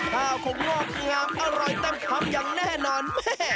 ข้าวคงงอกงามอร่อยเต็มคำอย่างแน่นอนแม่